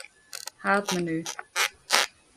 Haadmenu.